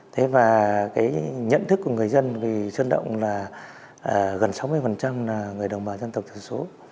thế và cái nhận thức của người dân vì sơn động là gần sáu mươi là người đồng bào dân tộc thiểu số